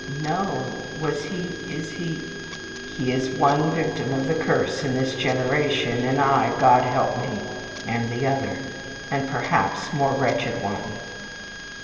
"No. Was he is he ?" "He is one victim of the curse in this generation, and I, God help me, am the other, and perhaps more wretched one."